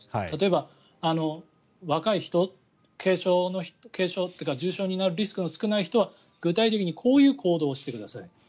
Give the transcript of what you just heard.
例えば若い人、軽症というか重症になるリスクが少ない人は具体的にこういう行動をしてください。